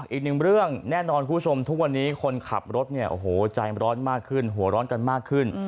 อีกหนึ่งเรื่องแน่นอนคุณผู้ชมทุกวันนี้คนขับรถเนี่ยโอ้โหใจร้อนมากขึ้นหัวร้อนกันมากขึ้น